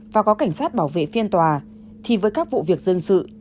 và có cảnh sát bảo vệ phiên tòa thì với các vụ việc dân sự